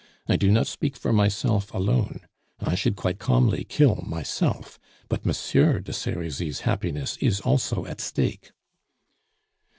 I do not speak for myself alone I should quite calmly kill myself but Monsieur de Serizy's happiness is also at stake."